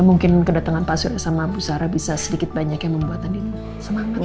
ya mungkin kedatangan pak surya sama ibu sarah bisa sedikit banyak yang membuat andin semangat